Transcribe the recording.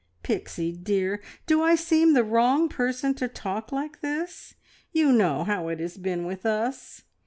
Pixie, dear, do I seem the wrong person to talk like this? You know how it has been with us.